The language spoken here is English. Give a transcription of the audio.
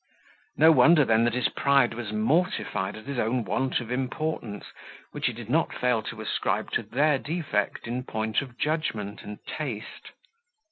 No wonder, then, that his pride was mortified at his own want of importance, which he did not fail to ascribe to their defect in point of judgment and taste.